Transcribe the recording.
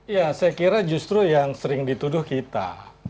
ya saya kira justru yang sering dituduh kita